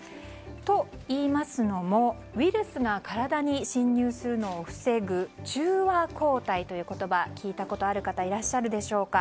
といいますのもウイルスが体に侵入するのを防ぐ中和抗体という言葉を聞いたことがある方いらっしゃるでしょうか。